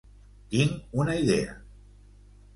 Tinc una idea!